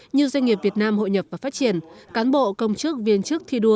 như doanh nghiệp việt nam hội nhập và phát triển cán bộ công chức viên chức thi đua